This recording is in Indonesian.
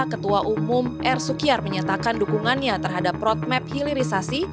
ketua umum r sukiyar menyatakan dukungannya terhadap roadmap hilirisasi